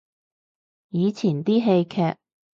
以前啲戲劇